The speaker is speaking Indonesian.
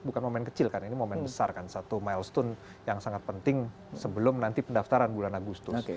bukan momen kecil kan ini momen besar kan satu milestone yang sangat penting sebelum nanti pendaftaran bulan agustus